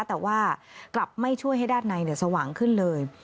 แต่ว่ากลับไม่ช่วยให้ด้านในสว่างขึ้นเลย